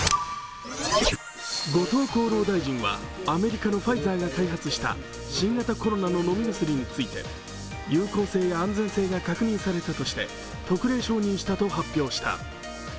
後藤厚労大臣はアメリカのファイザーが開発した新型コロナの飲み薬について、有効性や安全性が確認されたとして特例承認したと発表した。